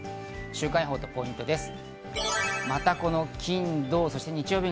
週間予報とポイントです。